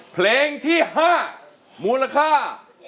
เพลงที่๕มูลค่า